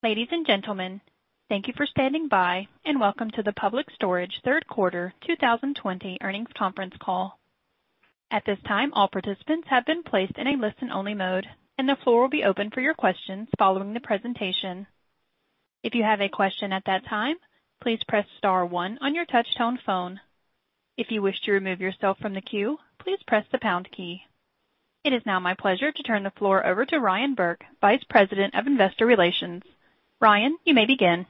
Ladies and gentlemen, thank you for standing by, and welcome to the Public Storage third quarter 2020 earnings conference call. At this time, all participants have been placed in a listen-only mode, and the floor will be open for your questions following the presentation. If you have any question at that time please press star one on your touchtone phone. If you wish to remove yourself from the queue please press the pound key. It is now my pleasure to turn the floor over to Ryan Burke, Vice President of Investor Relations. Ryan, you may begin.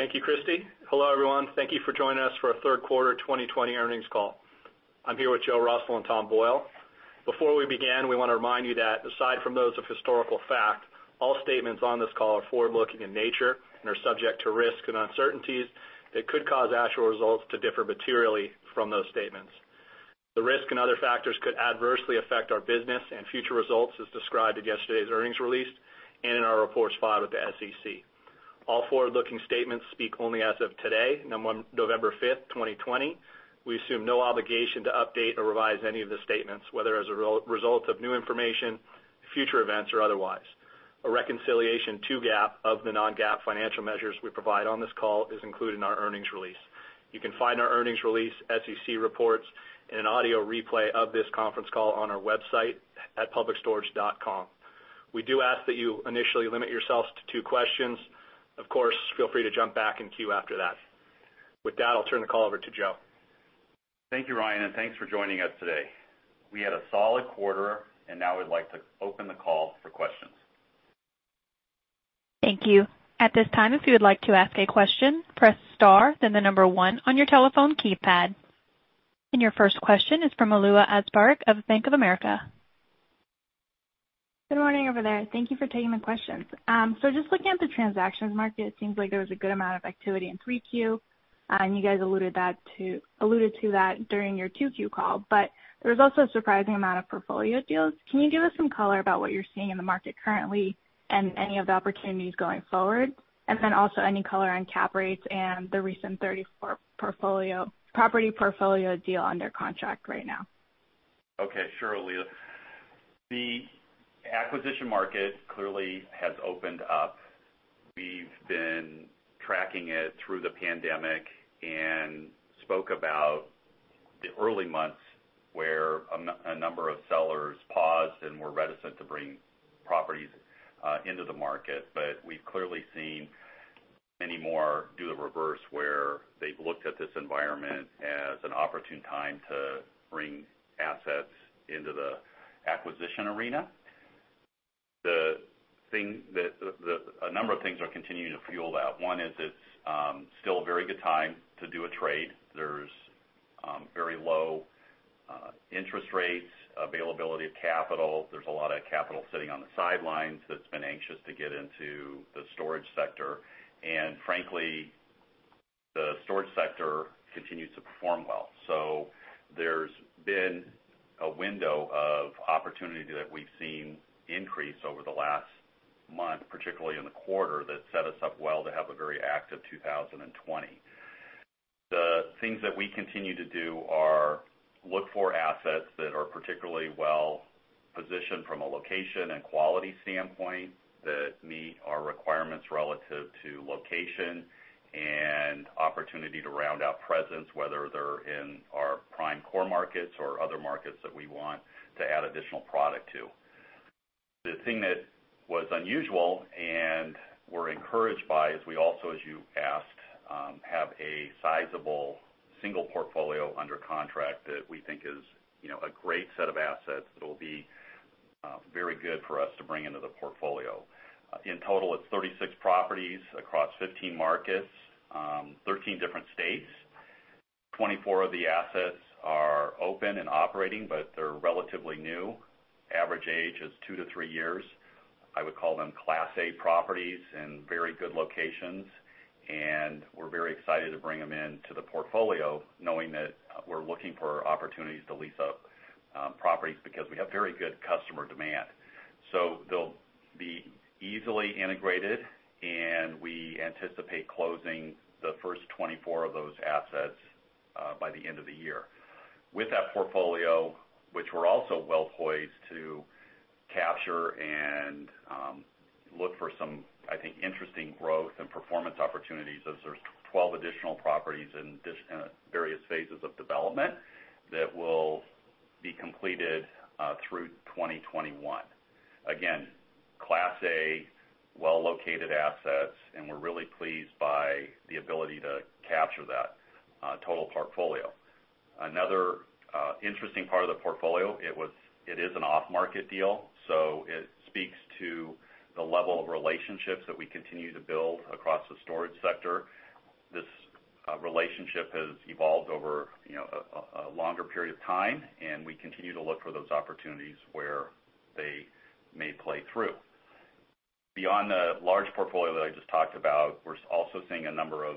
Thank you, Christy. Hello everyone? Thank you for joining us for our third quarter 2020 earnings call. I'm here with Joe Russell and Tom Boyle. Before we begin, we want to remind you that aside from those of historical fact, all statements on this call are forward-looking in nature and are subject to risk and uncertainties that could cause actual results to differ materially from those statements. The risk and other factors could adversely affect our business and future results as described in yesterday's earnings release and in our reports filed with the SEC. All forward-looking statements speak only as of today, November 5, 2020. We assume no obligation to update or revise any of the statements, whether as a result of new information, future events, or otherwise. A reconciliation to GAAP of the non-GAAP financial measures we provide on this call is included in our earnings release. You can find our earnings release, SEC reports, and an audio replay of this conference call on our website at publicstorage.com. We do ask that you initially limit yourselves to two questions. Of course, feel free to jump back in queue after that. With that, I'll turn the call over to Joe. Thank you, Ryan, and thanks for joining us today. We had a solid quarter, and now we'd like to open the call for questions. Thank you. At this time if you would like to ask a question press star one on your telephone keypad. Your first question is from Alua Askarbek of Bank of America. Good morning over there? Thank you for taking the questions. Just looking at the transactions market, seems like there was a good amount of activity in 3Q, and you guys alluded to that during your 2Q call. There was also a surprising amount of portfolio deals. Can you give us some color about what you're seeing in the market currently and any of the opportunities going forward? Also any color on cap rates and the recent 34-property portfolio deal under contract right now. Okay. Sure, Alua. The acquisition market clearly has opened up. We've been tracking it through the pandemic and spoke about the early months where a number of sellers paused and were reticent to bring properties into the market. We've clearly seen many more do the reverse, where they've looked at this environment as an opportune time to bring assets into the acquisition arena. A number of things are continuing to fuel that. One is it's still a very good time to do a trade. There's very low interest rates, availability of capital. There's a lot of capital sitting on the sidelines that's been anxious to get into the storage sector. Frankly, the storage sector continues to perform well. There's been a window of opportunity that we've seen increase over the last month, particularly in the quarter, that set us up well to have a very active 2020. The things that we continue to do are look for assets that are particularly well-positioned from a location and quality standpoint that meet our requirements relative to location and opportunity to round out presence, whether they're in our prime core markets or other markets that we want to add additional product to. The thing that was unusual and we're encouraged by is we also, as you asked, have a sizable single portfolio under contract that we think is a great set of assets that will be very good for us to bring into the portfolio. In total, it's 36 properties across 15 markets, 13 different states. 24 of the assets are open and operating, but they're relatively new. Average age is two years-three years. I would call them Class A properties in very good locations. We're very excited to bring them into the portfolio knowing that we're looking for opportunities to lease up properties because we have very good customer demand. They'll be easily integrated and we anticipate closing the first 24 of those assets by the end of the year. With that portfolio, which we're also well-poised to capture and look for some, I think, interesting growth and performance opportunities, as there's 12 additional properties in various phases of development that will be completed through 2021. Again, Class A, well-located assets. We're really pleased by the ability to capture that total portfolio. Another interesting part of the portfolio, it is an off-market deal. It speaks to the level of relationships that we continue to build across the storage sector. This relationship has evolved over a longer period of time, and we continue to look for those opportunities where they may play through. Beyond the large portfolio that I just talked about, we're also seeing a number of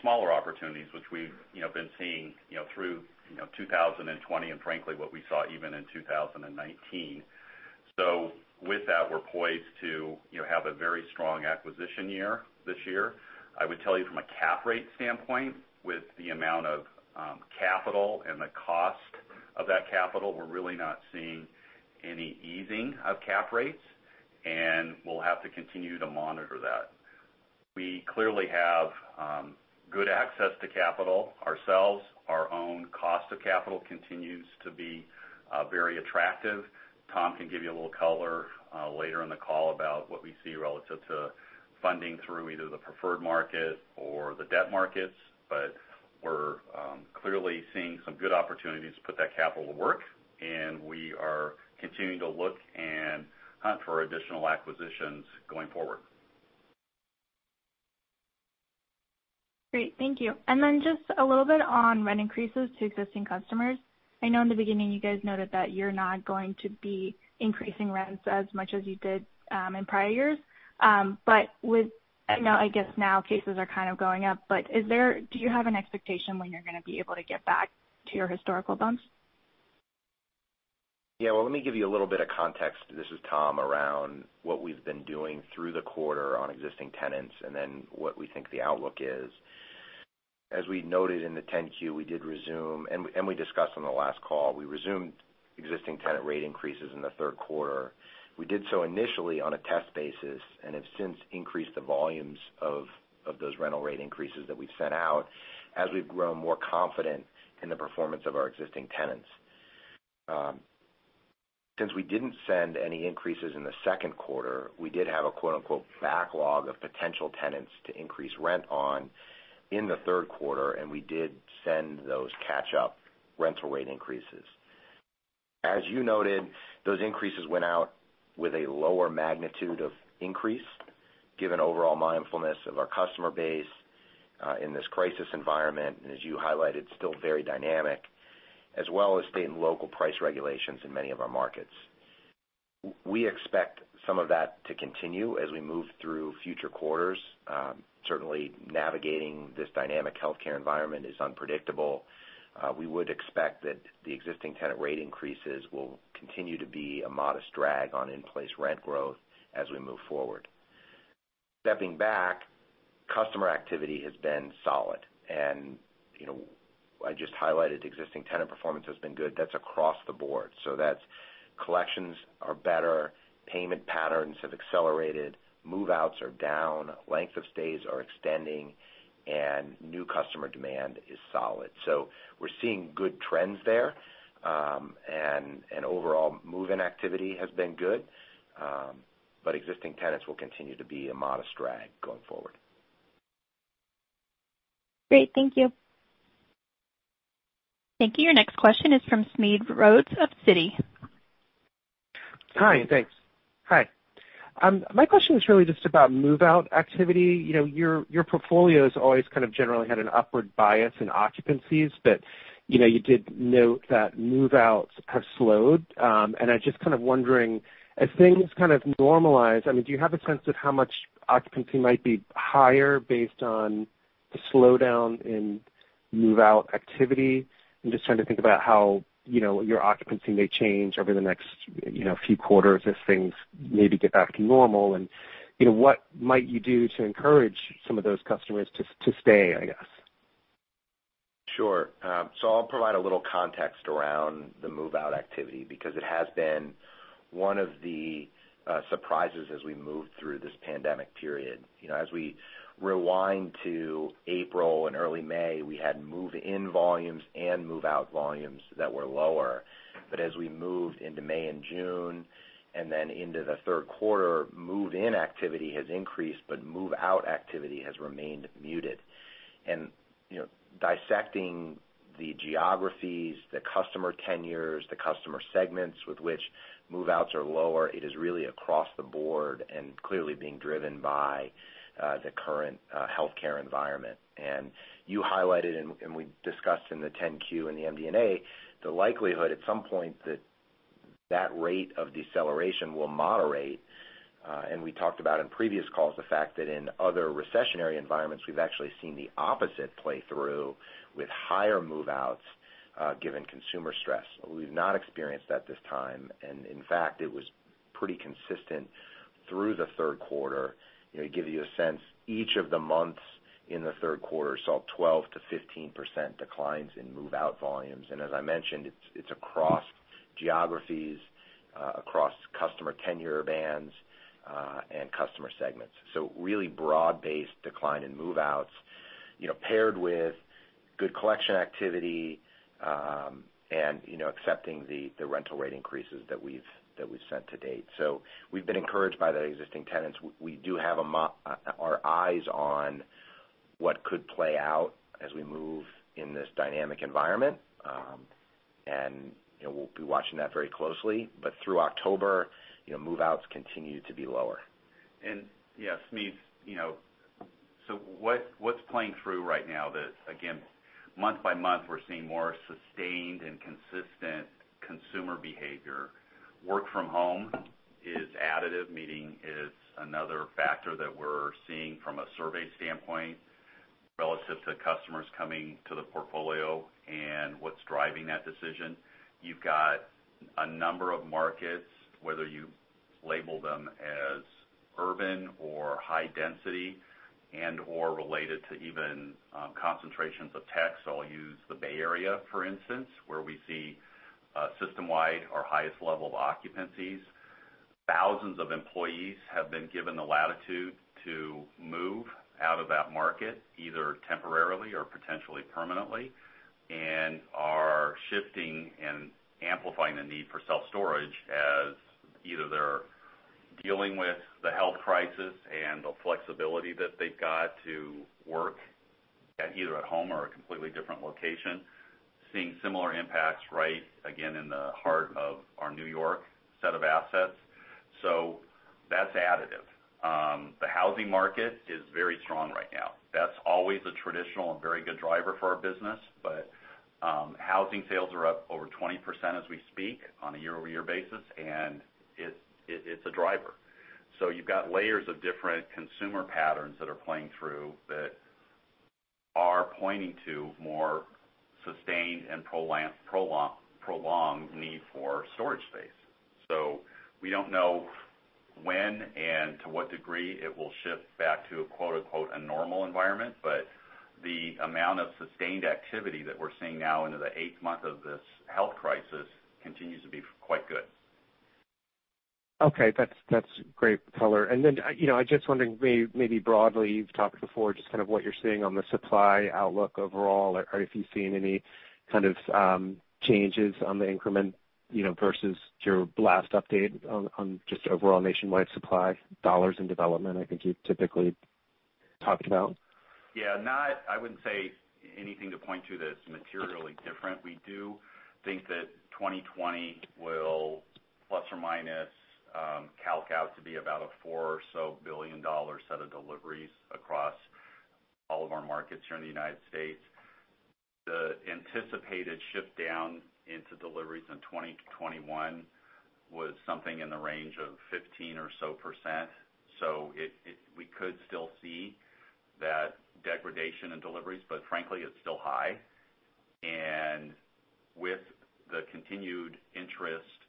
smaller opportunities, which we've been seeing through 2020 and frankly, what we saw even in 2019. With that, we're poised to have a very strong acquisition year this year. I would tell you from a cap rate standpoint, with the amount of capital and the cost of that capital, we're really not seeing any easing of cap rates, and we'll have to continue to monitor that. We clearly have good access to capital ourselves. Our own cost of capital continues to be very attractive. Tom can give you a little color later in the call about what we see relative to funding through either the preferred market or the debt markets. We're clearly seeing some good opportunities to put that capital to work, and we are continuing to look and hunt for additional acquisitions going forward. Great. Thank you. Then just a little bit on rent increases to existing customers. I know in the beginning you guys noted that you're not going to be increasing rents as much as you did in prior years. I guess now cases are kind of going up, but do you have an expectation when you're going to be able to get back to your historical bumps? Yeah. Well, let me give you a little bit of context, this is Tom, around what we've been doing through the quarter on existing tenants, and then what we think the outlook is. As we noted in the 10-Q, and we discussed on the last call, we resumed existing tenant rate increases in the third quarter. We did so initially on a test basis, and have since increased the volumes of those rental rate increases that we've sent out as we've grown more confident in the performance of our existing tenants. Since we didn't send any increases in the second quarter, we did have a, quote unquote, backlog of potential tenants to increase rent on in the third quarter, and we did send those catch-up rental rate increases. As you noted, those increases went out with a lower magnitude of increase, given overall mindfulness of our customer base in this crisis environment, and as you highlighted, still very dynamic, as well as state and local price regulations in many of our markets. We expect some of that to continue as we move through future quarters. Certainly, navigating this dynamic healthcare environment is unpredictable. We would expect that the existing tenant rate increases will continue to be a modest drag on in-place rent growth as we move forward. Stepping back, customer activity has been solid, and I just highlighted existing tenant performance has been good. That's across the board. That's collections are better, payment patterns have accelerated, move-outs are down, length of stays are extending, and new customer demand is solid. We're seeing good trends there. Overall move-in activity has been good. Existing tenants will continue to be a modest drag going forward. Great. Thank you. Thank you. Your next question is from Smedes Rose of Citi. Hi, thanks. Hi. My question is really just about move-out activity. Your portfolio's always kind of generally had an upward bias in occupancies, but you did note that move-outs have slowed. I'm just kind of wondering, as things kind of normalize, do you have a sense of how much occupancy might be higher based on the slowdown in move-out activity? I'm just trying to think about how your occupancy may change over the next few quarters as things maybe get back to normal, and what might you do to encourage some of those customers to stay, I guess? Sure. I'll provide a little context around the move-out activity, because it has been one of the surprises as we move through this pandemic period. As we rewind to April and early May, we had move-in volumes and move-out volumes that were lower. As we moved into May and June, and then into the third quarter, move-in activity has increased, but move-out activity has remained muted. Dissecting the geographies, the customer tenures, the customer segments with which move-outs are lower, it is really across the board, and clearly being driven by the current healthcare environment. You highlighted, and we discussed in the 10-Q and the MD&A, the likelihood at some point that that rate of deceleration will moderate. We talked about in previous calls the fact that in other recessionary environments, we've actually seen the opposite play through with higher move-outs given consumer stress. We've not experienced that this time. In fact, it was pretty consistent through the third quarter. To give you a sense, each of the months in the third quarter saw 12%-15% declines in move-out volumes. As I mentioned, it's across geographies, across customer tenure bands, and customer segments. Really broad-based decline in move-outs, paired with good collection activity, and accepting the rental rate increases that we've set to date. We've been encouraged by the existing tenants. We do have our eyes on what could play out as we move in this dynamic environment. We'll be watching that very closely. Through October, move-outs continued to be lower. Yeah, Smedes, so what's playing through right now that, again, month-by-month, we're seeing more sustained and consistent consumer behavior. Work from home is additive, meaning it's another factor that we're seeing from a survey standpoint relative to customers coming to the portfolio and what's driving that decision. You've got a number of markets, whether you label them as urban or high density and/or related to even concentrations of tech, so I'll use the Bay Area, for instance, where we see system-wide our highest level of occupancies. Thousands of employees have been given the latitude to move out of that market, either temporarily or potentially permanently, and are shifting and amplifying the need for self-storage as either they're dealing with the health crisis and the flexibility that they've got to work at either at home or a completely different location. Seeing similar impacts, right, again, in the heart of our New York set of assets. That's additive. The housing market is very strong right now. That's always a traditional and very good driver for our business, but housing sales are up over 20% as we speak on a year-over-year basis, and it's a driver. You've got layers of different consumer patterns that are playing through that are pointing to more sustained and prolonged need for storage space. We don't know when and to what degree it will shift back to a quote, unquote, a normal environment, but the amount of sustained activity that we're seeing now into the eighth month of this health crisis continues to be quite good. Okay. That's great color. I'm just wondering maybe broadly, you've talked before just kind of what you're seeing on the supply outlook overall, or if you've seen any kind of changes on the increment versus your last update on just overall nationwide supply dollars in development, I think you typically talked about. Yeah. I wouldn't say anything to point to that's materially different. We do think that 2020 will plus or minus calc out to be about a $4-or-so billion set of deliveries across all of our markets here in the United States. The anticipated shift down into deliveries in 2021 was something in the range of 15% or so. We could still see that degradation in deliveries, but frankly, it's still high. With the continued interest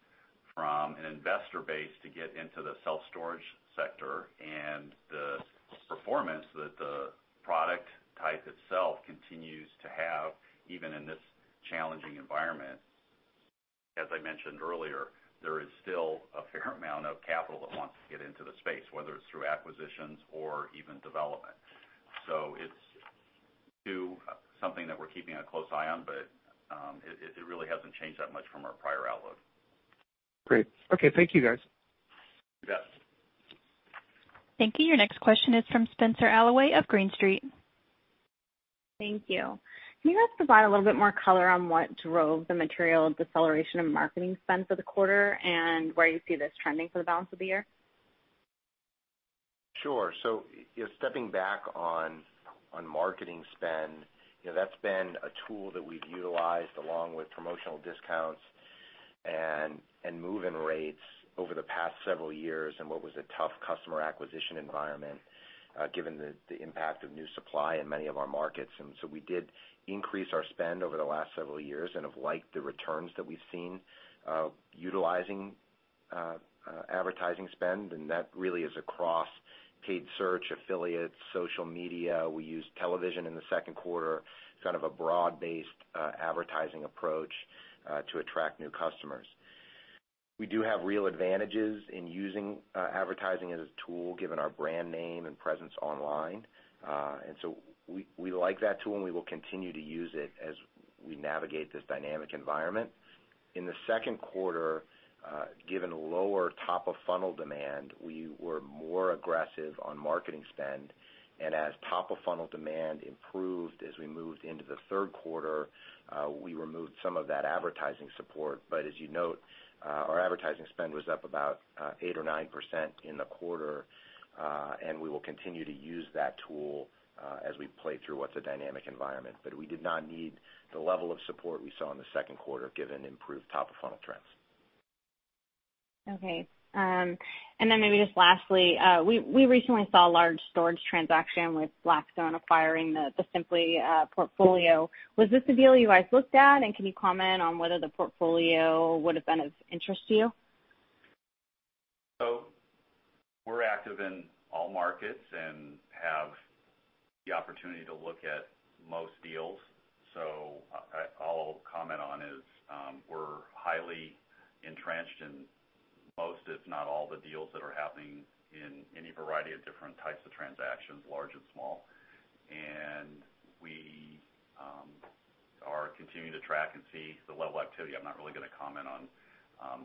from an investor base to get into the self-storage sector and the performance that the product type itself continues to have, even in this challenging environment, as I mentioned earlier, there is still a fair amount of capital that wants to get into the space, whether it's through acquisitions or even development. It's still something that we're keeping a close eye on, but it really hasn't changed that much from our prior outlook. Great. Okay. Thank you, guys. You bet. Thank you. Your next question is from Spenser Allaway of Green Street. Thank you. Can you guys provide a little bit more color on what drove the material deceleration in marketing spend for the quarter and where you see this trending for the balance of the year? Sure. Stepping back on marketing spend, that's been a tool that we've utilized along with promotional discounts and move-in rates over the past several years in what was a tough customer acquisition environment given the impact of new supply in many of our markets. We did increase our spend over the last several years and have liked the returns that we've seen utilizing advertising spend, and that really is across paid search, affiliates, social media. We used television in the second quarter, kind of a broad-based advertising approach to attract new customers. We do have real advantages in using advertising as a tool, given our brand name and presence online. We like that tool, and we will continue to use it as we navigate this dynamic environment. In the second quarter, given lower top-of-funnel demand, we were more aggressive on marketing spend. As top-of-funnel demand improved as we moved into the third quarter, we removed some of that advertising support. As you note, our advertising spend was up about 8% or 9% in the quarter, and we will continue to use that tool as we play through what's a dynamic environment. We did not need the level of support we saw in the second quarter given improved top-of-funnel trends. Okay. Maybe just lastly, we recently saw a large storage transaction with Blackstone acquiring the Simply portfolio. Was this a deal you guys looked at, and can you comment on whether the portfolio would've been of interest to you? We're active in all markets and have the opportunity to look at most deals. All I'll comment on is we're highly entrenched in most, if not all, the deals that are happening in any variety of different types of transactions, large and small, and we are continuing to track and see the level of activity. I'm not really going to comment on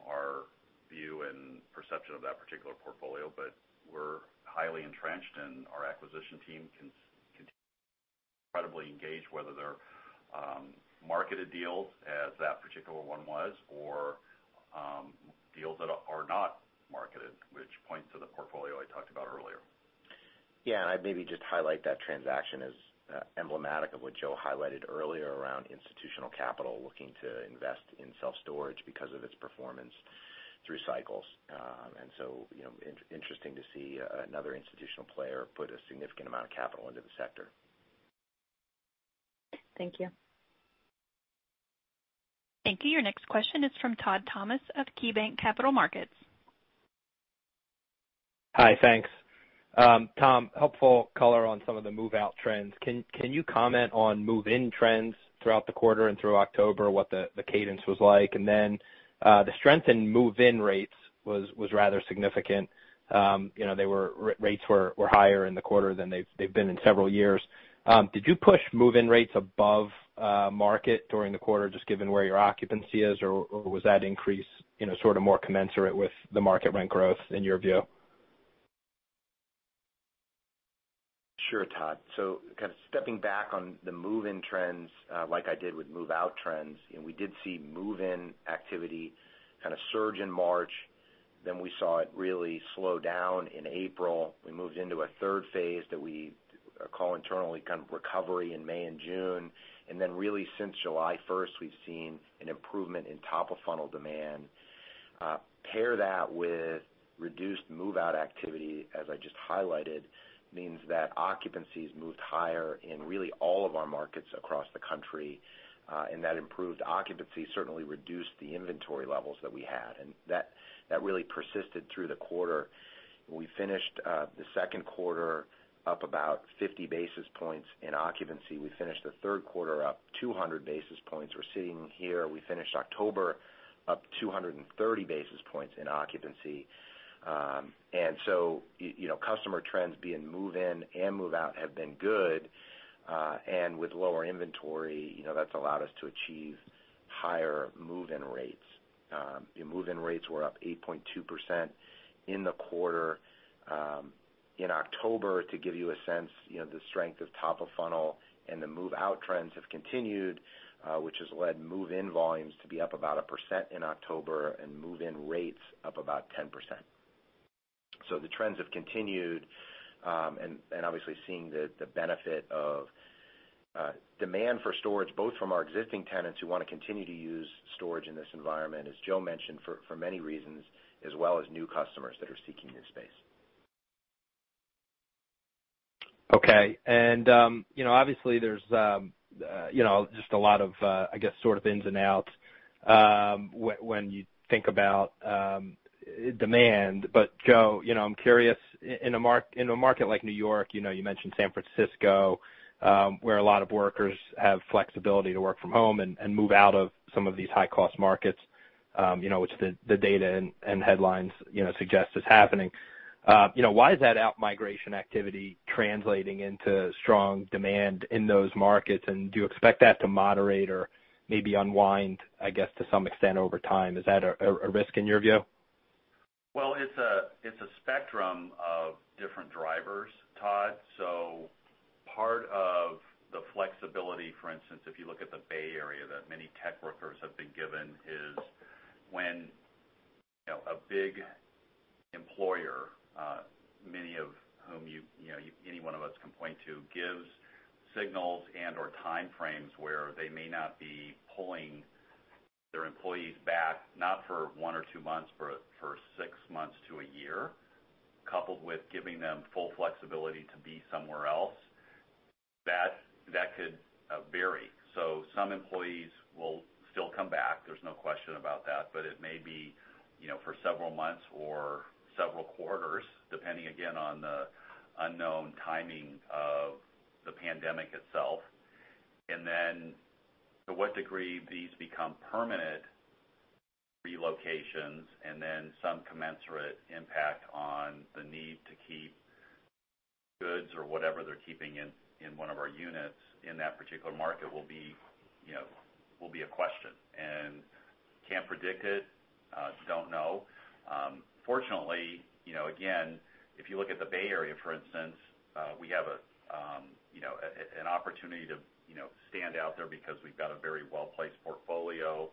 our view and perception of that particular portfolio, but we're highly entrenched and our acquisition team continues to be incredibly engaged, whether they're marketed deals as that particular one was, or deals that are not marketed, which points to the portfolio I talked about earlier. Yeah, I'd maybe just highlight that transaction as emblematic of what Joe highlighted earlier around institutional capital looking to invest in self-storage because of its performance through cycles. Interesting to see another institutional player put a significant amount of capital into the sector. Thank you. Thank you. Your next question is from Todd Thomas of KeyBanc Capital Markets. Hi, thanks. Tom, helpful color on some of the move-out trends. Can you comment on move-in trends throughout the quarter and through October, what the cadence was like? The strength in move-in rates was rather significant. Rates were higher in the quarter than they've been in several years. Did you push move-in rates above market during the quarter, just given where your occupancy is? Was that increase more commensurate with the market rent growth in your view? Sure, Todd. Stepping back on the move-in trends, like I did with move-out trends, we did see move-in activity kind of surge in March. We saw it really slow down in April. We moved into a third phase that we call internally kind of recovery in May and June. Really since July 1, we've seen an improvement in top-of-funnel demand. Pair that with reduced move-out activity, as I just highlighted, means that occupancy's moved higher in really all of our markets across the country. That improved occupancy certainly reduced the inventory levels that we had, and that really persisted through the quarter. We finished the second quarter up about 50 basis points in occupancy. We finished the third quarter up 200 basis points. We're sitting here, we finished October up 230 basis points in occupancy. Customer trends being move-in and move-out have been good. With lower inventory, that's allowed us to achieve higher move-in rates. Move-in rates were up 8.2% in the quarter. In October, to give you a sense, the strength of top-of-funnel and the move-out trends have continued, which has led move-in volumes to be up about 1% in October, and move-in rates up about 10%. The trends have continued, and obviously seeing the benefit of demand for storage, both from our existing tenants who want to continue to use storage in this environment, as Joe mentioned, for many reasons, as well as new customers that are seeking this space. Okay. Obviously there's just a lot of, I guess, sort of ins and outs when you think about demand. Joe, I'm curious, in a market like New York, you mentioned San Francisco, where a lot of workers have flexibility to work from home and move out of some of these high-cost markets, which the data and headlines suggest is happening. Why is that out-migration activity translating into strong demand in those markets? Do you expect that to moderate or maybe unwind, I guess, to some extent over time? Is that a risk in your view? It's a spectrum of different drivers, Todd. Part of the flexibility, for instance, if you look at the Bay Area that many tech workers have been given, is when a big employer, many of whom any one of us can point to, gives signals and/or time frames where they may not be pulling their employees back, not for one or two months, for six months to a year, coupled with giving them full flexibility to be somewhere else, that could vary. Some employees will still come back, there's no question about that. It may be for several months or several quarters, depending, again, on the unknown timing of the pandemic itself. To what degree these become permanent relocations and then some commensurate impact on the need to keep goods or whatever they're keeping in one of our units in that particular market will be a question. Can't predict it, don't know. Fortunately, again, if you look at the Bay Area, for instance, we have an opportunity to stand out there because we've got a very well-placed portfolio.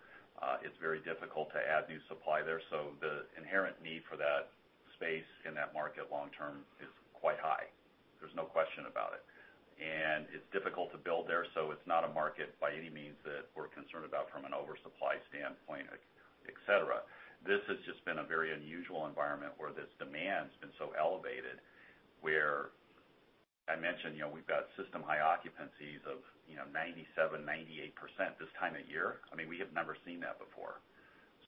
It's very difficult to add new supply there. The inherent need for that space in that market long term is quite high. There's no question about it. It's difficult to build there, so it's not a market by any means that we're concerned about from an oversupply standpoint, et cetera. This has just been a very unusual environment where this demand's been so elevated, where I mentioned we've got system-high occupancies of 97%, 98% this time of year. I mean, we have never seen that before.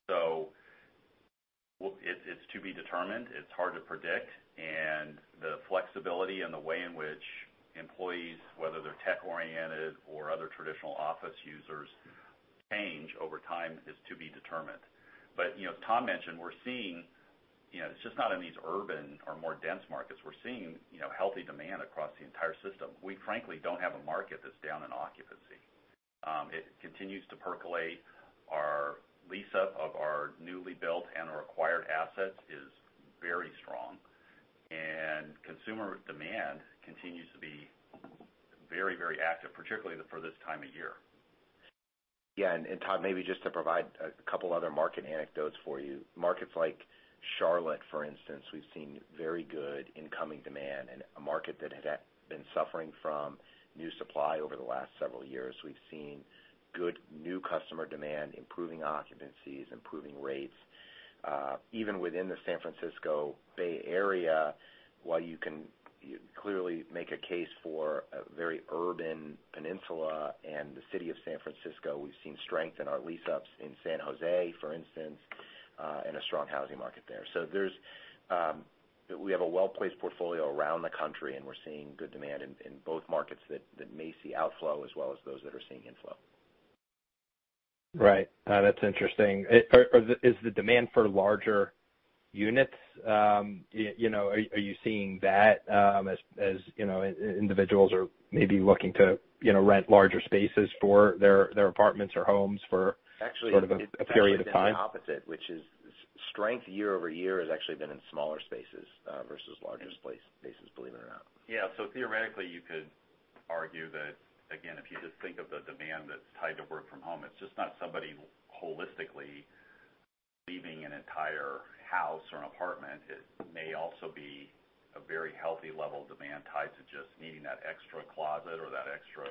It's to be determined. It's hard to predict. The flexibility and the way in which employees, whether they're tech-oriented or other traditional office users, change over time is to be determined. Tom mentioned we're seeing, it's just not in these urban or more dense markets. We're seeing healthy demand across the entire system. We frankly don't have a market that's down in occupancy. It continues to percolate. Our lease-up of our newly built and our acquired assets is very strong. Consumer demand continues to be very active, particularly for this time of year. Yeah. Todd, maybe just to provide a couple other market anecdotes for you. Markets like Charlotte, for instance, we've seen very good incoming demand in a market that had been suffering from new supply over the last several years. We've seen good new customer demand, improving occupancies, improving rates. Even within the San Francisco Bay Area, while you can clearly make a case for a very urban Peninsula and the city of San Francisco, we've seen strength in our lease-ups in San Jose, for instance, and a strong housing market there. We have a well-placed portfolio around the country, and we're seeing good demand in both markets that may see outflow as well as those that are seeing inflow. Right. That's interesting. Is the demand for larger units, are you seeing that as individuals are maybe looking to rent larger spaces for their apartments or homes for sort of a period of time? Actually, it's been the opposite, which is strength year-over-year has actually been in smaller spaces versus larger spaces, believe it or not. Yeah. Theoretically, you could argue that, again, if you just think of the demand that's tied to work from home, it's just not somebody holistically leaving an entire house or an apartment. It may also be a very healthy level of demand tied to just needing that extra closet or that extra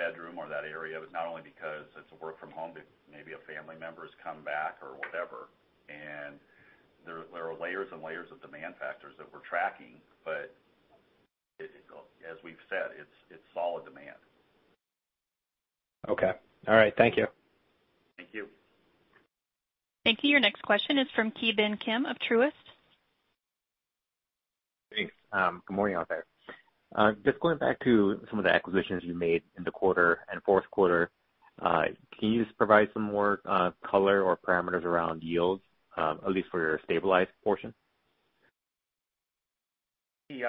bedroom or that area, but not only because it's a work from home, but maybe a family member's come back or whatever. There are layers and layers of demand factors that we're tracking. As we've said, it's solid demand. Okay. All right. Thank you. Thank you. Thank you. Your next question is from Ki Bin Kim of Truist. Thanks. Good morning out there? Just going back to some of the acquisitions you made in the quarter and fourth quarter, can you just provide some more color or parameters around yields, at least for your stabilized portion? Ki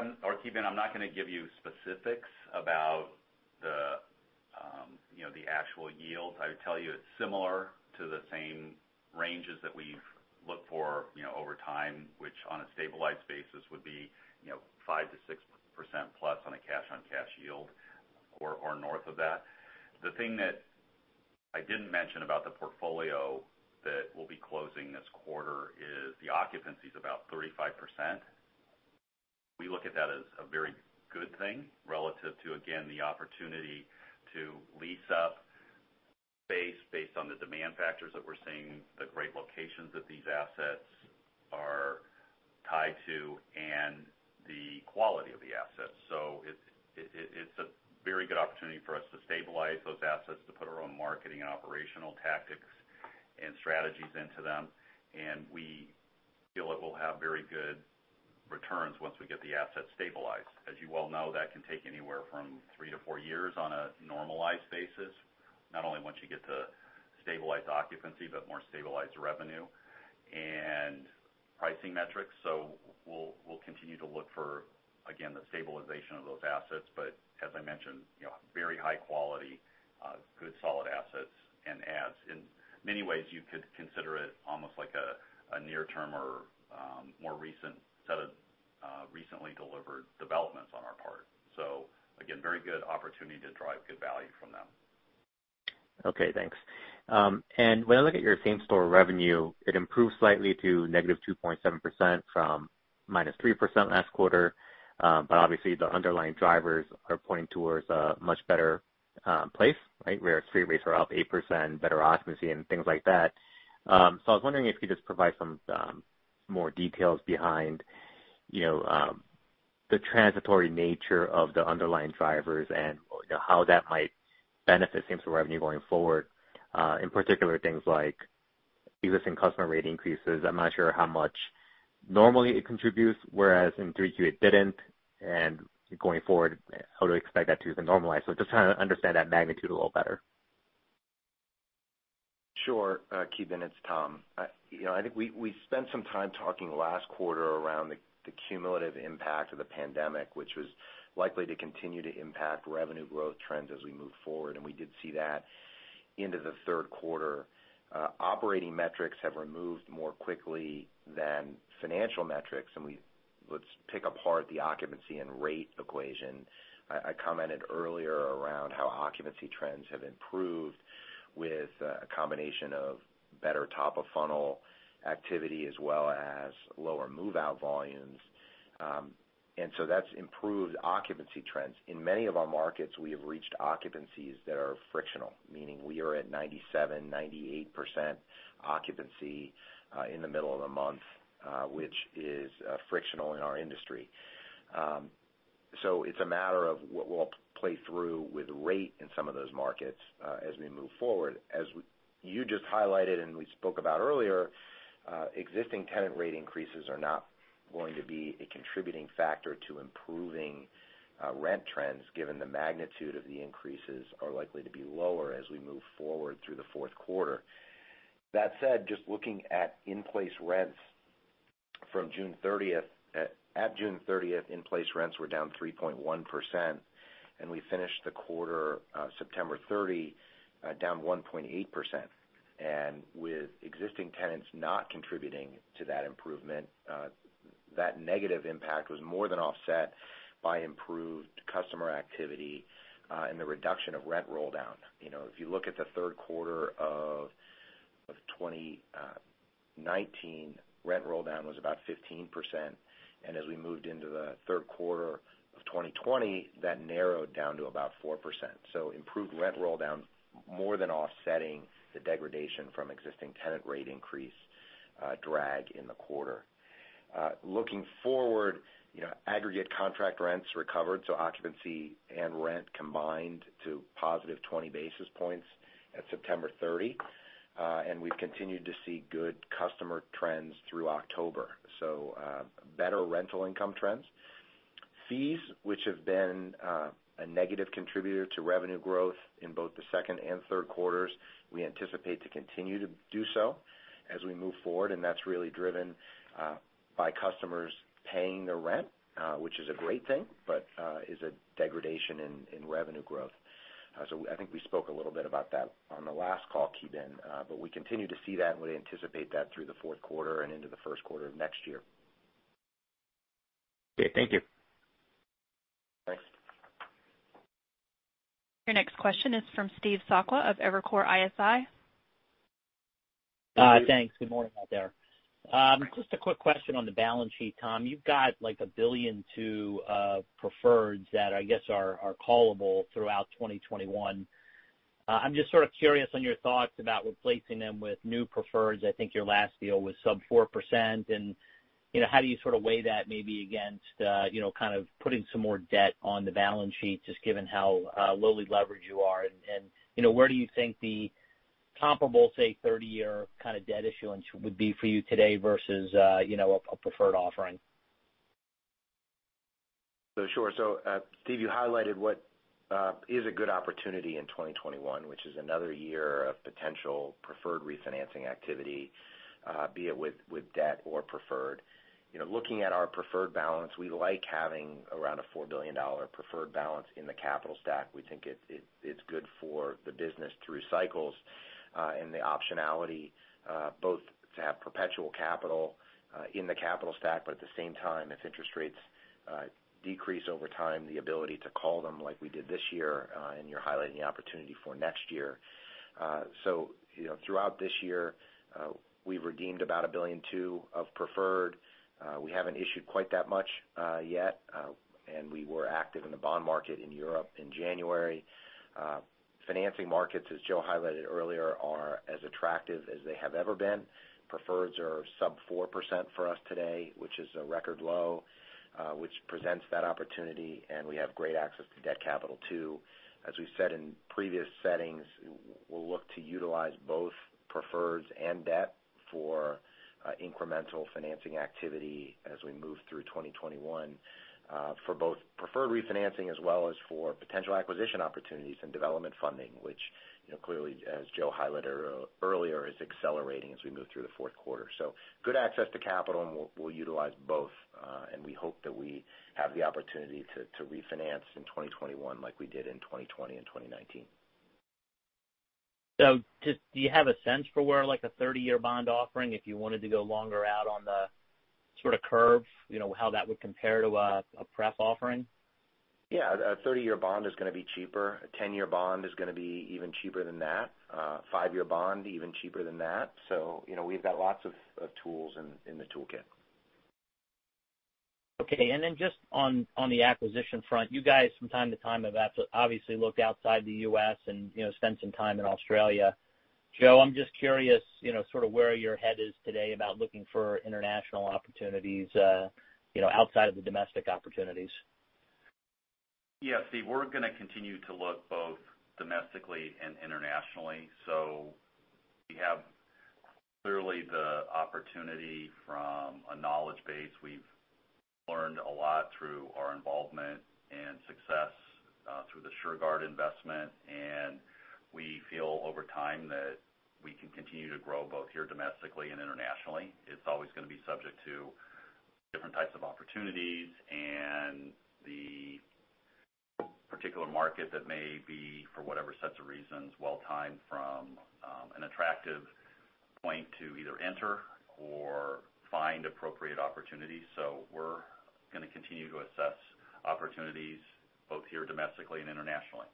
Bin, I'm not going to give you specifics about the actual yields. I would tell you it's similar to the same ranges that we've looked for over time, which on a stabilized basis would be 5%-6%+ on a cash-on-cash yield or north of that. The thing that I didn't mention about the portfolio that we'll be closing this quarter is the occupancy's about 35%. We look at that as a very good thing relative to, again, the opportunity to lease up space based on the demand factors that we're seeing, the great locations that these assets are tied to, and the quality of the assets. It's a very good opportunity for us to stabilize those assets, to put our own marketing and operational tactics and strategies into them, and we feel it will have very good returns once we get the assets stabilized. As you well know, that can take anywhere from three years-four years on a normalized basis, not only once you get to stabilized occupancy, but more stabilized revenue and pricing metrics. We'll continue to look for, again, the stabilization of those assets, but as I mentioned, very high quality, good, solid assets and adds. In many ways, you could consider it almost like a near term or more recent set of recently delivered developments on our part. Again, very good opportunity to drive good value from them. Okay, thanks. When I look at your same-store revenue, it improved slightly to -2.7% from -3% last quarter. Obviously, the underlying drivers are pointing towards a much better place, right, where street rates are up 8%, better occupancy and things like that. I was wondering if you could just provide some more details behind the transitory nature of the underlying drivers and how that might benefit same-store revenue going forward. In particular things like existing customer rate increases, I'm not sure how much normally it contributes, whereas in Q3 it didn't. Going forward, how to expect that to then normalize. Just trying to understand that magnitude a little better. Sure. Ki Bin, it's Tom. I think we spent some time talking last quarter around the cumulative impact of the pandemic, which was likely to continue to impact revenue growth trends as we move forward, and we did see that into the third quarter. Operating metrics have removed more quickly than financial metrics, and let's pick apart the occupancy and rate equation. I commented earlier around how occupancy trends have improved with a combination of better top-of-funnel activity as well as lower move-out volumes. That's improved occupancy trends. In many of our markets, we have reached occupancies that are frictional, meaning we are at 97%, 98% occupancy in the middle of the month, which is frictional in our industry. It's a matter of what will play through with rate in some of those markets as we move forward. As you just highlighted and we spoke about earlier, existing tenant rate increases are not going to be a contributing factor to improving rent trends, given the magnitude of the increases are likely to be lower as we move forward through the fourth quarter. That said, just looking at in-place rents from June 30. At June 30, in-place rents were down 3.1%, and we finished the quarter, September 30, down 1.8%. With existing tenants not contributing to that improvement, that negative impact was more than offset by improved customer activity and the reduction of rent roll down. If you look at the third quarter of 2019, rent roll down was about 15%, and as we moved into the third quarter of 2020, that narrowed down to about 4%. Improved rent roll down more than offsetting the degradation from existing tenant rate increase drag in the quarter. Looking forward, aggregate contract rents recovered, so occupancy and rent combined to +20 basis points at September 30. We've continued to see good customer trends through October. Better rental income trends. Fees, which have been a negative contributor to revenue growth in both the second and third quarters, we anticipate to continue to do so as we move forward, and that's really driven by customers paying their rent, which is a great thing, but is a degradation in revenue growth. I think we spoke a little bit about that on the last call, Ki Bin, but we continue to see that, and we anticipate that through the fourth quarter and into the first quarter of next year. Okay, thank you. Thanks. Your next question is from Steve Sakwa of Evercore ISI. Thanks. Good morning out there? Just a quick question on the balance sheet, Tom. You've got like a billion of preferreds that I guess are callable throughout 2021. I'm just sort of curious on your thoughts about replacing them with new preferreds. I think your last deal was sub 4% and how do you sort of weigh that maybe against kind of putting some more debt on the balance sheet, just given how lowly leveraged you are and where do you think the comparable, say, 30-year kind of debt issuance would be for you today versus a preferred offering? Sure. Steve, you highlighted what is a good opportunity in 2021, which is another year of potential preferred refinancing activity, be it with debt or preferred. Looking at our preferred balance, we like having around a $4 billion preferred balance in the capital stack. We think it's good for the business through cycles, and the optionality, both to have perpetual capital in the capital stack, but at the same time, if interest rates decrease over time, the ability to call them like we did this year, and you're highlighting the opportunity for next year. Throughout this year, we've redeemed about a billion-two of preferred. We haven't issued quite that much yet. We were active in the bond market in Europe in January. Financing markets, as Joe highlighted earlier, are as attractive as they have ever been. Preferreds are sub 4% for us today, which is a record low, which presents that opportunity, and we have great access to debt capital, too. As we've said in previous settings, we'll look to utilize both preferreds and debt for incremental financing activity as we move through 2021 for both preferred refinancing as well as for potential acquisition opportunities and development funding, which clearly, as Joe highlighted earlier, is accelerating as we move through the fourth quarter. Good access to capital, and we'll utilize both. We hope that we have the opportunity to refinance in 2021 like we did in 2020 and 2019. Just do you have a sense for where like the 30-year bond offering, if you wanted to go longer out on the sort of curve, how that would compare to a preffered offering? Yeah. A 30-year bond is going to be cheaper. A 10-year bond is going to be even cheaper than that. A five-year bond even cheaper than that. We've got lots of tools in the toolkit. Okay, just on the acquisition front, you guys from time to time have obviously looked outside the U.S. and spent some time in Australia. Joe, I'm just curious sort of where your head is today about looking for international opportunities outside of the domestic opportunities. Yeah, Steve, we're going to continue to look both domestically and internationally. We have clearly the opportunity from a knowledge base. We've learned a lot through our involvement and success through the Shurgard investment, and we feel over time that we can continue to grow both here domestically and internationally. It's always going to be subject to different types of opportunities and the particular market that may be, for whatever sets of reasons, well timed from an attractive point to either enter or find appropriate opportunities. We're going to continue to assess opportunities both here domestically and internationally.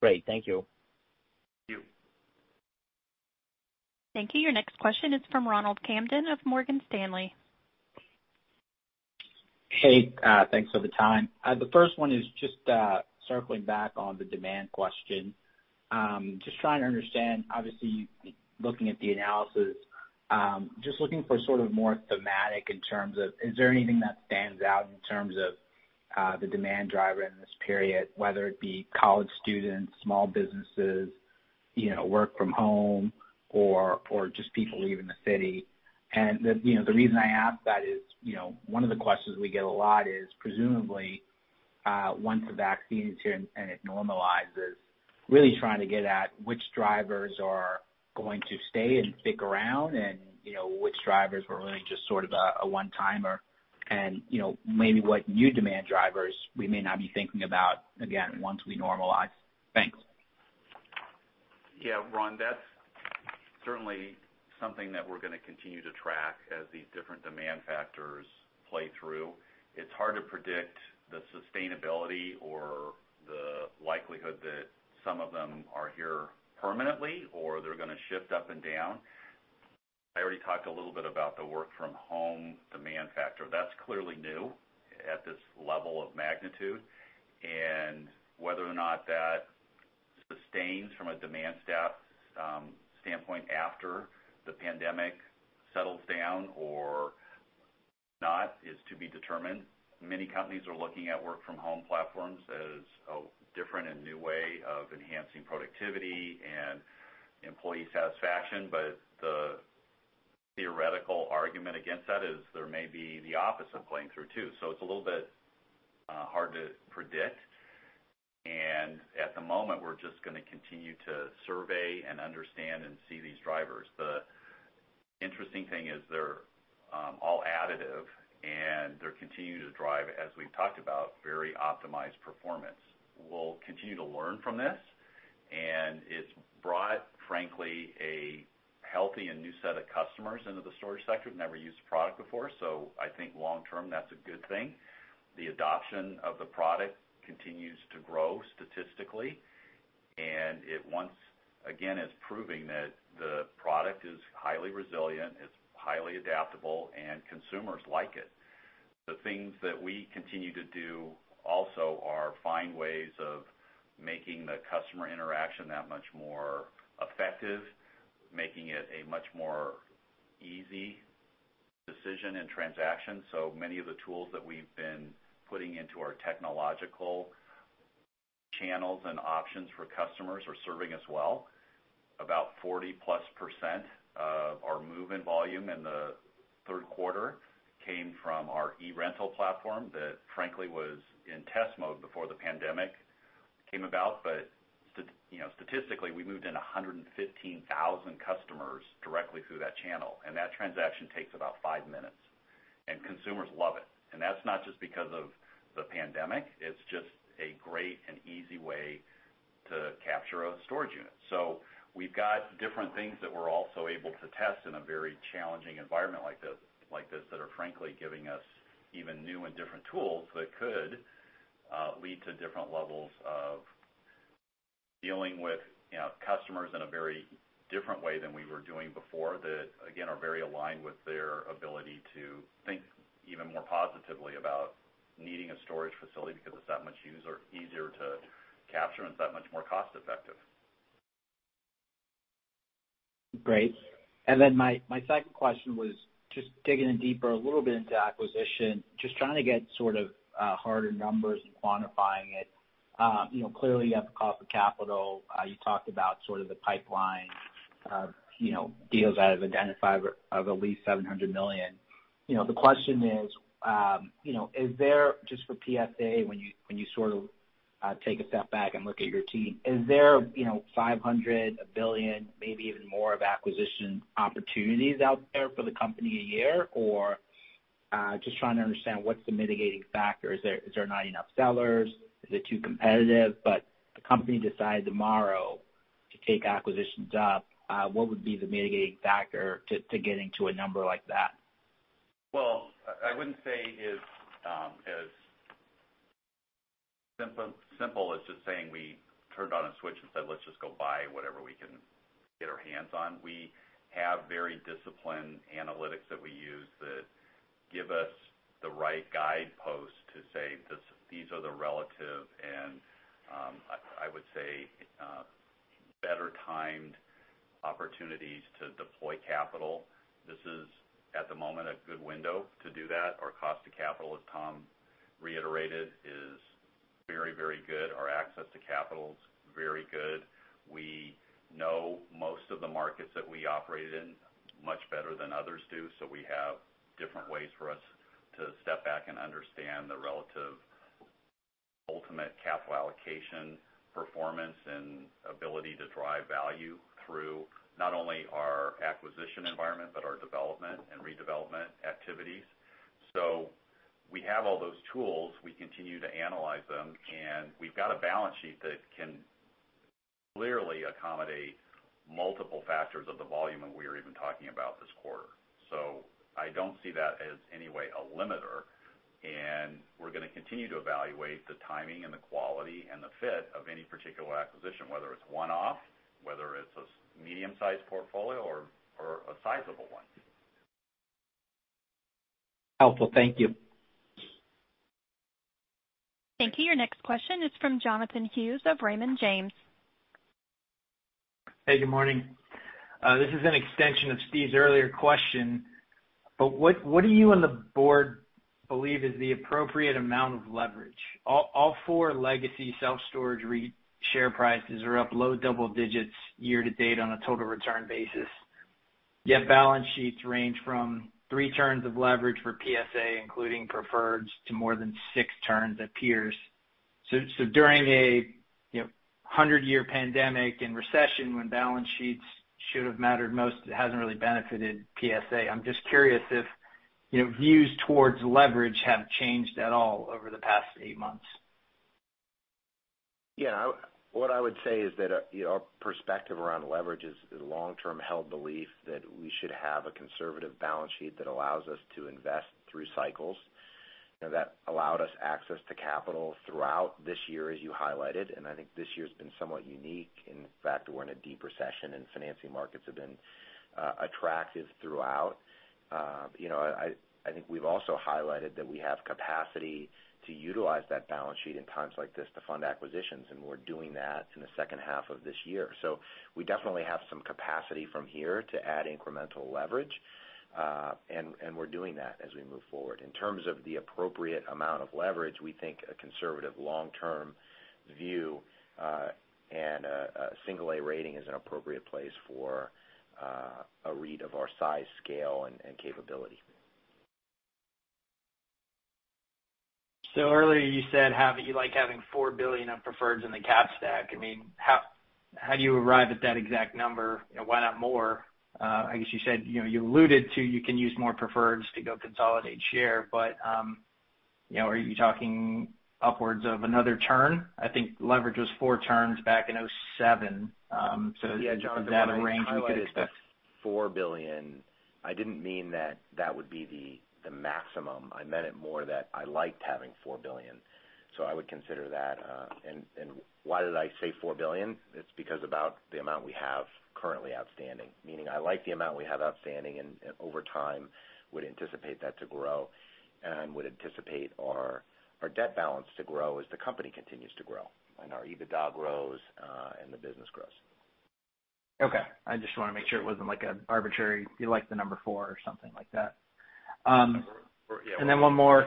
Great. Thank you. Thank you. Thank you. Your next question is from Ronald Kamdem of Morgan Stanley. Hey, thanks for the time. The first one is just circling back on the demand question. Just trying to understand, obviously looking at the analysis, just looking for sort of more thematic in terms of, is there anything that stands out in terms of the demand driver in this period, whether it be college students, small businesses, work from home or just people leaving the city? The reason I ask that is one of the questions we get a lot is presumably, once the vaccine is here and it normalizes, really trying to get at which drivers are going to stay and stick around and which drivers were really just sort of a one-timer and maybe what new demand drivers we may not be thinking about again once we normalize. Thanks. Yeah, Ron, that's certainly something that we're going to continue to track as these different demand factors play through. It's hard to predict the sustainability or the likelihood that some of them are here permanently or they're going to shift up and down. I already talked a little bit about the work from home demand factor. That's clearly new at this level of magnitude, and whether or not that sustains from a demand standpoint after the pandemic settles down or not is to be determined. Many companies are looking at work from home platforms as a different and new way of enhancing productivity and employee satisfaction. The theoretical argument against that is there may be the opposite playing through too. It's a little bit hard to predict, and at the moment, we're just going to continue to survey and understand and see these drivers. The interesting thing is they're all additive, and they continue to drive, as we've talked about, very optimized performance. We'll continue to learn from this, and it's brought, frankly, a healthy and new set of customers into the storage sector, who've never used the product before. I think long term, that's a good thing. The adoption of the product continues to grow statistically, and it once again is proving that the product is highly resilient, it's highly adaptable, and consumers like it. The things that we continue to do also are find ways of making the customer interaction that much more effective, making it a much more easy decision and transaction. Many of the tools that we've been putting into our technological channels and options for customers are serving us well. About 40%+ of our move-in volume in the third quarter came from our eRental platform that, frankly, was in test mode before the pandemic came about. Statistically, we moved in 115,000 customers directly through that channel. That transaction takes about five minutes, and consumers love it. That's not just because of the pandemic. It's just a great and easy way to capture a storage unit. We've got different things that we're also able to test in a very challenging environment like this, that are frankly giving us even new and different tools that could lead to different levels of dealing with customers in a very different way than we were doing before. That, again, are very aligned with their ability to think even more positively about needing a storage facility because it's that much easier to capture and it's that much more cost effective. Great. My second question was just digging in deeper, a little bit into acquisition, just trying to get sort of harder numbers and quantifying it. Clearly, you have the cost of capital. You talked about sort of the pipeline of deals out of identified of at least $700 million. The question is, just for PSA, when you sort of take a step back and look at your team, is there $500, $1 billion, maybe even more of acquisition opportunities out there for the company a year, or just trying to understand what's the mitigating factor? Is there not enough sellers? Is it too competitive? A company decides tomorrow to take acquisitions up, what would be the mitigating factor to getting to a number like that? Well, I wouldn't say it's as simple as just saying we turned on a switch and said, let's just go buy whatever we can get our hands on. We have very disciplined analytics that we use that give us the right guideposts to say, these are the relative, and I would say, better-timed opportunities to deploy capital. This is, at the moment, a good window to do that. Our cost to capital, as Tom reiterated, is very good. Our access to capital is very good. We know most of the markets that we operate in much better than others do. We have different ways for us to step back and understand the relative ultimate capital allocation, performance, and ability to drive value through not only our acquisition environment, but our development and redevelopment activities. We have all those tools. We continue to analyze them, and we've got a balance sheet that can clearly accommodate multiple factors of the volume that we are even talking about this quarter. I don't see that as any way a limiter, and we're going to continue to evaluate the timing and the quality and the fit of any particular acquisition, whether it's one-off, whether it's a medium-sized portfolio or a sizable one. Helpful. Thank you. Thank you. Your next question is from Jonathan Hughes of Raymond James. Hey, good morning? This is an extension of Steve's earlier question. What do you and the board believe is the appropriate amount of leverage? All four legacy self-storage REIT share prices are up low double digits year to date on a total return basis. Balance sheets range from three turns of leverage for PSA, including prefferreds, to more than six turns at peers. During a 100-year pandemic and recession, when balance sheets should have mattered most, it hasn't really benefited PSA. I'm just curious if views towards leverage have changed at all over the past eight months. Yeah. What I would say is that our perspective around leverage is a long-term held belief that we should have a conservative balance sheet that allows us to invest through cycles. That allowed us access to capital throughout this year, as you highlighted, and I think this year's been somewhat unique in the fact we're in a deep recession, and financing markets have been attractive throughout. I think we've also highlighted that we have capacity to utilize that balance sheet in times like this to fund acquisitions, and we're doing that in the second half of this year. We definitely have some capacity from here to add incremental leverage, and we're doing that as we move forward. In terms of the appropriate amount of leverage, we think a conservative long-term view, and a single A rating is an appropriate place for a REIT of our size, scale, and capability. Earlier you said you like having $4 billion of preferreds in the cap stack. How do you arrive at that exact number? Why not more? You alluded to, you can use more preferreds to go consolidate share, are you talking upwards of another turn? I think leverage was four turns back in 2007. Is that a range we could expect? Yeah, Jonathan, when I highlighted the $4 billion, I didn't mean that that would be the maximum. I meant it more that I liked having $4 billion. I would consider that. Why did I say $4 billion? It's because about the amount we have currently outstanding, meaning I like the amount we have outstanding, and over time, would anticipate that to grow, and would anticipate our debt balance to grow as the company continues to grow and our EBITDA grows and the business grows. Okay. I just want to make sure it wasn't like an arbitrary, you like the number four or something like that. Yeah. Then one more.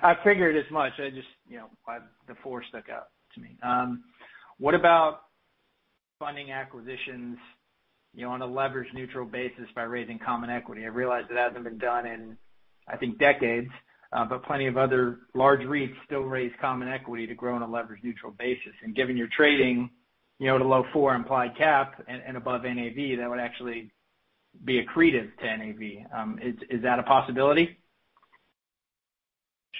I figured as much. The four stuck out to me. What about funding acquisitions, on a leverage neutral basis by raising common equity? I realize it hasn't been done in, I think, decades, but plenty of other large REITs still raise common equity to grow on a leverage neutral basis. Given you're trading at a low four implied cap and above NAV, that would actually be accretive to NAV. Is that a possibility?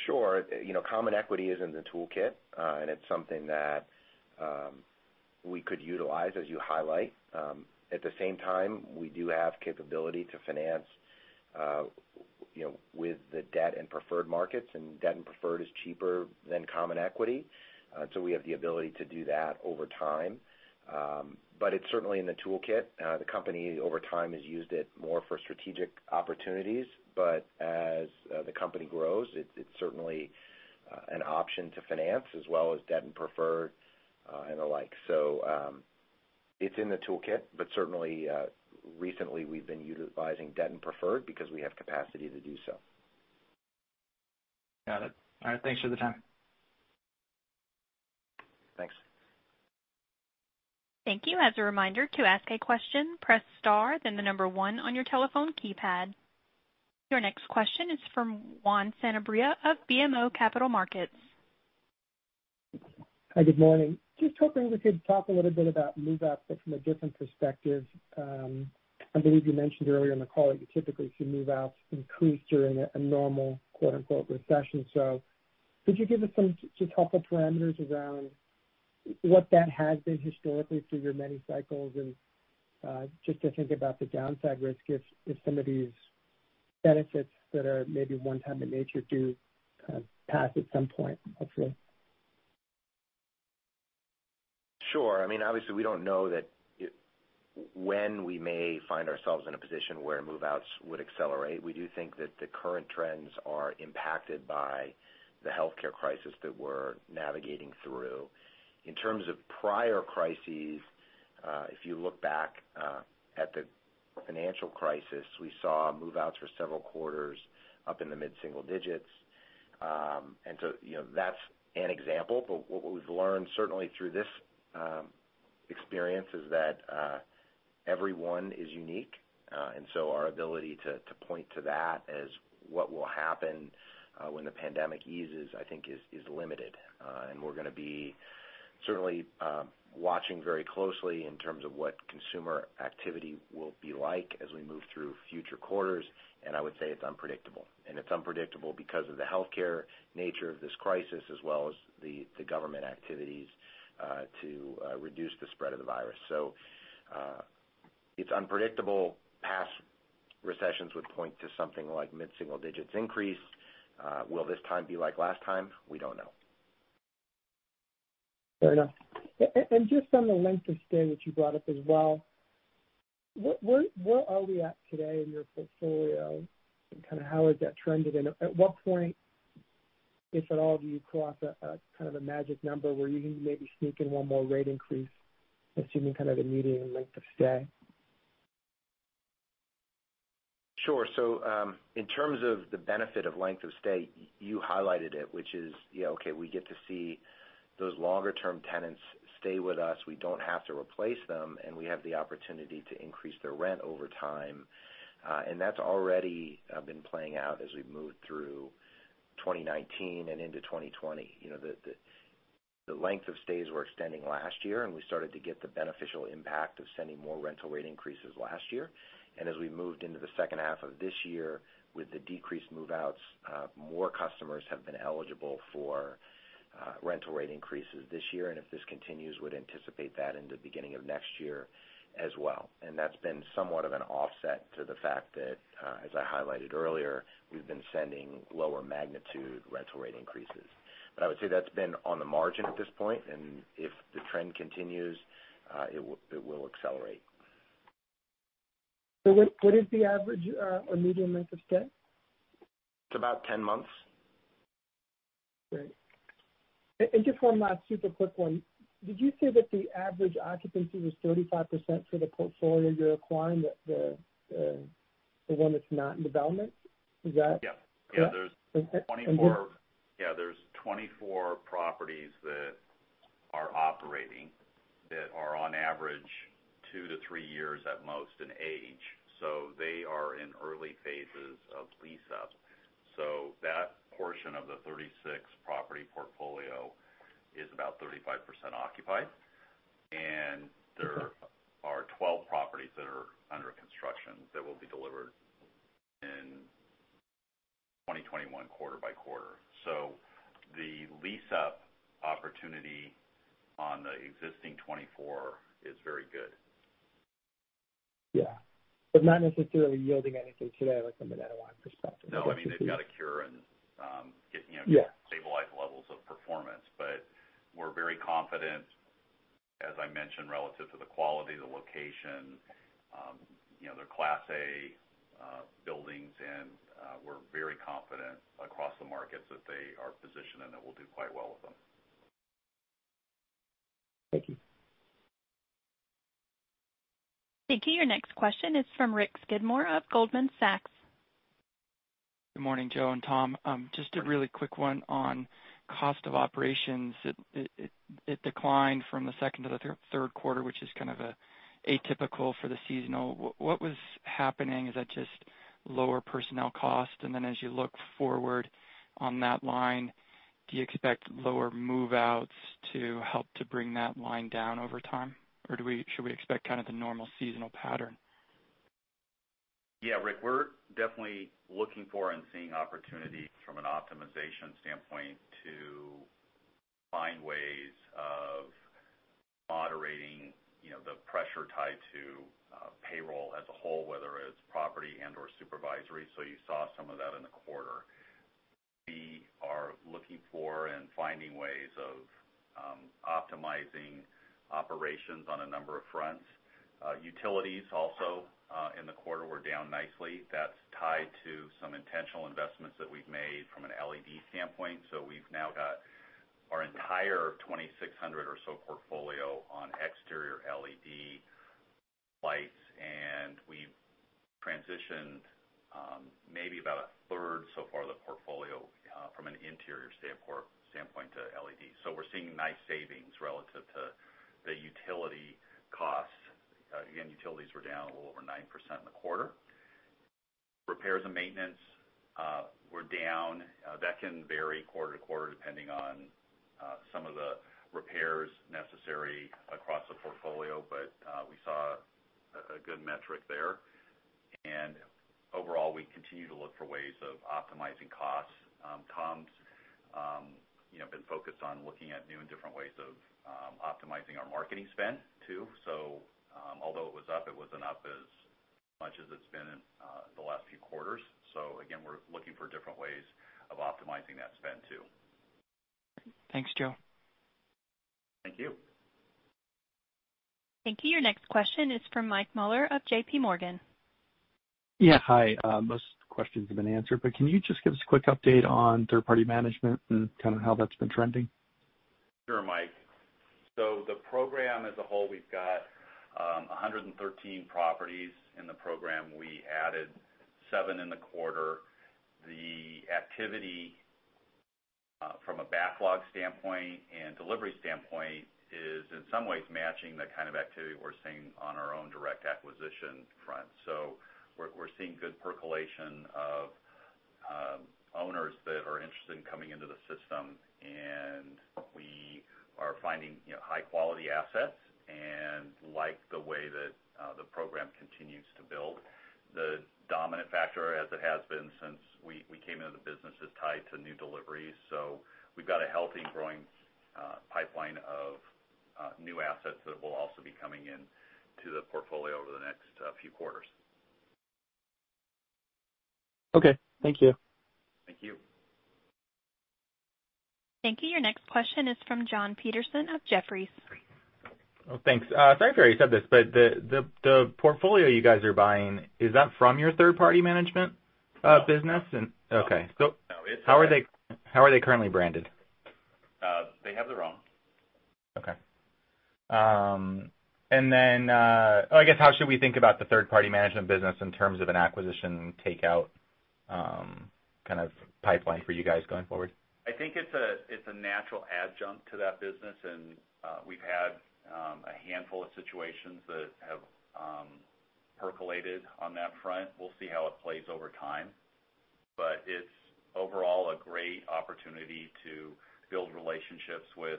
Sure. Common equity is in the toolkit, and it's something that we could utilize, as you highlight. At the same time, we do have capability to finance with the debt and preferred markets, and debt and preferred is cheaper than common equity. We have the ability to do that over time. It's certainly in the toolkit. The company, over time, has used it more for strategic opportunities, but as the company grows, it's certainly an option to finance as well as debt and preferred, and the like. It's in the toolkit, but certainly, recently, we've been utilizing debt and preferred because we have capacity to do so. Got it. All right. Thanks for the time. Thanks. Thank you. As a reminder, to ask a question, press star 1 on your telephone keypad. Your next question is from Juan Sanabria of BMO Capital Markets. Hi, good morning? Just hoping we could talk a little bit about move-out, but from a different perspective. I believe you mentioned earlier in the call that you typically see move-outs increase during a normal, quote unquote, recession. Could you give us some just helpful parameters around what that has been historically through your many cycles and, just to think about the downside risk if some of these benefits that are maybe one time in nature do kind of pass at some point, hopefully? Sure. Obviously, we don't know when we may find ourselves in a position where move-outs would accelerate. We do think that the current trends are impacted by the healthcare crisis that we're navigating through. In terms of prior crises, if you look back at the financial crisis, we saw move-outs for several quarters up in the mid-single digits. That's an example. What we've learned certainly through this experience is that every one is unique. Our ability to point to that as what will happen when the pandemic eases, I think is limited. We're going to be certainly watching very closely in terms of what consumer activity will be like as we move through future quarters, and I would say it's unpredictable. It's unpredictable because of the healthcare nature of this crisis as well as the government activities to reduce the spread of the virus. It's unpredictable. Past recessions would point to something like mid-single digits increase. Will this time be like last time? We don't know. Fair enough. Just on the length of stay that you brought up as well, where are we at today in your portfolio, and kind of how has that trended? At what point, if at all, do you cross a kind of a magic number where you can maybe sneak in one more rate increase, assuming kind of a median length of stay? Sure. In terms of the benefit of length of stay, you highlighted it, which is, okay, we get to see those longer-term tenants stay with us. We don't have to replace them, and we have the opportunity to increase their rent over time. That's already been playing out as we've moved through 2019 and into 2020. The length of stays were extending last year, and we started to get the beneficial impact of sending more rental rate increases last year. As we moved into the second half of this year, with the decreased move-outs, more customers have been eligible for rental rate increases this year. If this continues, we'd anticipate that in the beginning of next year as well. That's been somewhat of an offset to the fact that, as I highlighted earlier, we've been sending lower magnitude rental rate increases. I would say that's been on the margin at this point, and if the trend continues, it will accelerate. What is the average or median length of stay? It's about 10 months. Great. Just one last super quick one. Did you say that the average occupancy was 35% for the portfolio you're acquiring, the one that's not in development? Is that? Yeah. Correct? Yeah, there's 24 properties that are operating that are on average two years to three years at most in age. They are in early phases of lease-up. That portion of the 36-property portfolio is about 35% occupied. There are 12 properties that are under construction that will be delivered in 2021 quarter-by-quarter. The lease-up opportunity on the existing 24 is very good. Yeah. Not necessarily yielding anything today, like from an NOI perspective. No, they've got to cure. Yeah Stabilize levels of performance. We're very confident, as I mentioned, relative to the quality, the location. They're Class A buildings, and we're very confident across the markets that they are positioned and that we'll do quite well with them. Thank you. Thank you. Your next question is from Rick Skidmore of Goldman Sachs. Good morning, Joe and Tom? Just a really quick one on cost of operations. It declined from the second to the third quarter, which is kind of atypical for the seasonal. What was happening? Is that just lower personnel cost? As you look forward on that line, do you expect lower move-outs to help to bring that line down over time? Or should we expect kind of the normal seasonal pattern? Yeah, we're definitely looking for and seeing opportunities from an optimization standpoint to find ways of moderating the pressure tied to payroll as a whole, whether it's property and/or supervisory. You saw some of that in the quarter. We are looking for and finding ways of optimizing operations on a number of fronts. Utilities also in the quarter were down nicely. That's tied to some intentional investments that we've made from an LED standpoint. We've now got our entire 2,600 or so portfolio on exterior LED lights, and we've transitioned maybe about a third so far of the portfolio from an interior standpoint to LED. We're seeing nice savings relative to the utility costs. Again, utilities were down a little over 9% in the quarter. Repairs and maintenance were down. That can vary quarter to quarter, depending on some of the repairs necessary across the portfolio. We saw a good metric there. Overall, we continue to look for ways of optimizing costs. Tom's been focused on looking at new and different ways of optimizing our marketing spend, too. Although it was up, it wasn't up as much as it's been in the last few quarters. Again, we're looking for different ways of optimizing that spend, too. Thanks, Joe. Thank you. Thank you. Your next question is from Michael Mueller of JPMorgan. Yeah. Hi. Most questions have been answered, but can you just give us a quick update on third-party management and kind of how that's been trending? Sure, Mike. The program as a whole, we've got 113 properties in the program. We added seven in the quarter. The activity from a backlog standpoint and delivery standpoint is in some ways matching the kind of activity we're seeing on our own direct acquisition front. We're seeing good percolation of owners that are interested in coming into the system, and we are finding high-quality assets and like the way that the program continues to build. The dominant factor, as it has been since we came into the business, is tied to new deliveries. We've got a healthy, growing pipeline of new assets that will also be coming into the portfolio over the next few quarters. Okay. Thank you. Thank you. Thank you. Your next question is from Jon Petersen of Jefferies. Oh, thanks. Sorry if you already said this, but the portfolio you guys are buying, is that from your third-party management business? No. Okay. No. How are they currently branded? They have their own. Okay. I guess how should we think about the third-party management business in terms of an acquisition takeout kind of pipeline for you guys going forward? I think it's a natural adjunct to that business, and we've had a handful of situations that have percolated on that front. We'll see how it plays over time. It's overall a great opportunity to build relationships with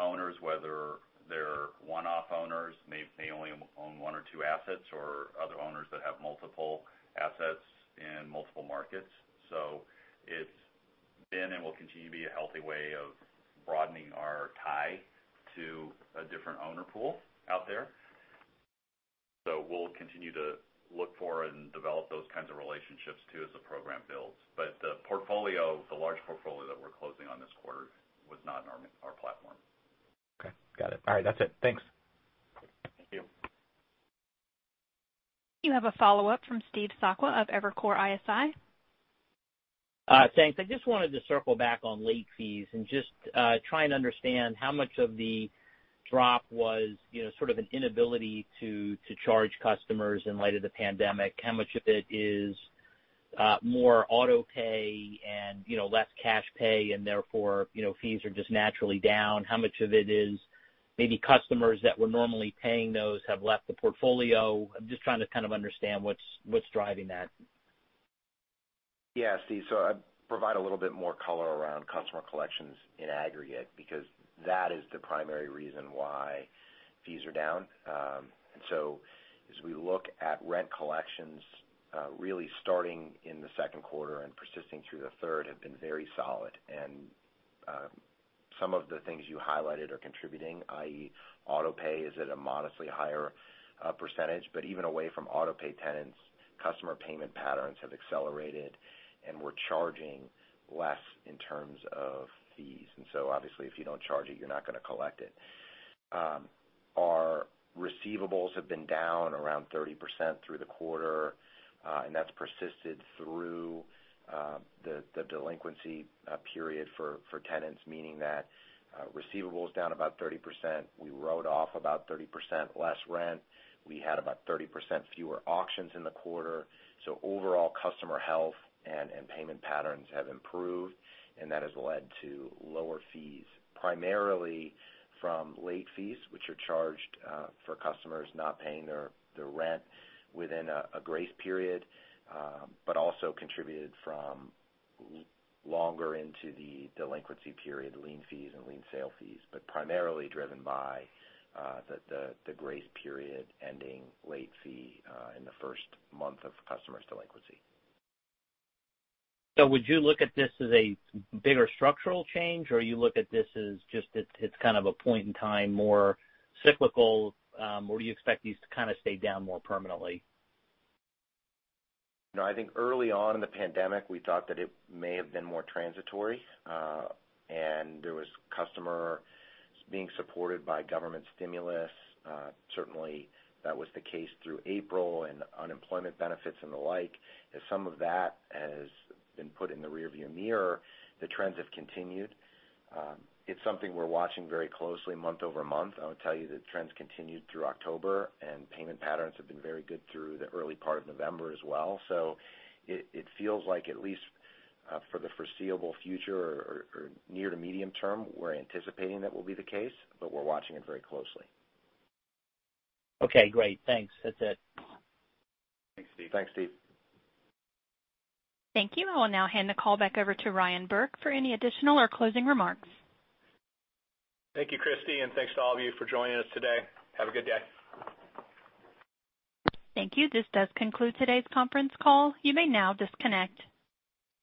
owners, whether they're one-off owners, they only own one or two assets, or other owners that have multiple assets in multiple markets. It's been and will continue to be a healthy way of broadening our tie to a different owner pool out there. We'll continue to look for and develop those kinds of relationships too as the program builds. The large portfolio that we're closing on this quarter was not in our platform. Okay, got it. All right, that's it. Thanks. Thank you. You have a follow-up from Steve Sakwa of Evercore ISI. Thanks. I just wanted to circle back on late fees and just try and understand how much of the drop was sort of an inability to charge customers in light of the pandemic. How much of it is more auto-pay and less cash pay and therefore, fees are just naturally down? How much of it is maybe customers that were normally paying those have left the portfolio? I'm just trying to kind of understand what's driving that. Yeah, Steve. I'd provide a little bit more color around customer collections in aggregate, because that is the primary reason why fees are down. As we look at rent collections, really starting in the second quarter and persisting through the third have been very solid. Some of the things you highlighted are contributing, i.e., auto-pay is at a modestly higher percentage. Even away from auto-pay tenants, customer payment patterns have accelerated, and we're charging less in terms of fees. Obviously, if you don't charge it, you're not going to collect it. Our receivables have been down around 30% through the quarter, and that's persisted through the delinquency period for tenants, meaning that receivables down about 30%. We wrote off about 30% less rent. We had about 30% fewer auctions in the quarter. Overall, customer health and payment patterns have improved, and that has led to lower fees, primarily from late fees, which are charged for customers not paying their rent within a grace period. Also contributed from longer into the delinquency period, lien fees and lien sale fees, but primarily driven by the grace period ending late fee in the first month of customers' delinquency. Would you look at this as a bigger structural change, or you look at this as just it's kind of a point in time, more cyclical, or do you expect these to kind of stay down more permanently? I think early on in the pandemic, we thought that it may have been more transitory, and there was customer being supported by government stimulus. Certainly, that was the case through April, and unemployment benefits and the like. As some of that has been put in the rear-view mirror, the trends have continued. It's something we're watching very closely month over month. I would tell you the trends continued through October, and payment patterns have been very good through the early part of November as well. It feels like at least for the foreseeable future or near to medium-term, we're anticipating that will be the case, but we're watching it very closely. Okay, great. Thanks. That's it. Thanks, Steve. Thanks, Steve. Thank you. I will now hand the call back over to Ryan Burke for any additional or closing remarks. Thank you, Christy, and thanks to all of you for joining us today. Have a good day. Thank you. This does conclude today's conference call, you may now disconnect.